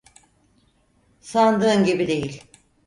Sandığın gibi değil.